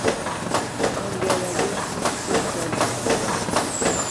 Onja rageshti ushta la?